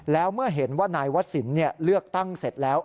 แล้วเมื่อเห็นว่านายวศิลป์เลือกตั้งเสร็จแล้ว